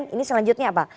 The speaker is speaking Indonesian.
ini selanjutnya apa